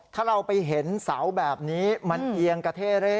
ถ้าเราไปเห็นเสาแบบนี้มันเอียงกระเท่เร่